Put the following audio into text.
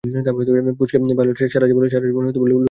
পুচকে ভায়োলেট সারা জীবন লুকিয়ে থাকতে পারবো না।